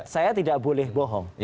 saya tidak boleh bohong